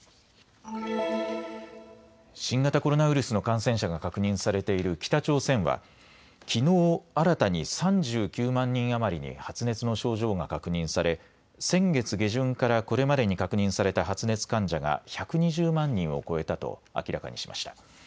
新型コロナウイルスの感染者が確認されている北朝鮮はきのう新たに３９万人余りに発熱の症状が確認され先月下旬からこれまでに確認された発熱患者が１２０万人を超えたと明らかにしました。